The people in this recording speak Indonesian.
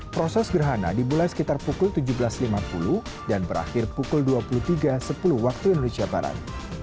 proses gerhana dimulai sekitar pukul tujuh belas lima puluh dan berakhir pukul dua puluh tiga sepuluh waktu indonesia barat